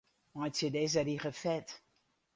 Meitsje dizze rige fet.